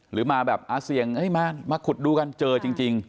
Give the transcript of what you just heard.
หรือมาแบบเสี่ยงมาขุดดูกันเจอจริง